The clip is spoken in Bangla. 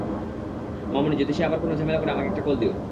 মামনী, যদি সে আবার কোনো ঝামেলা করে, আমাকে একটা কল দিও।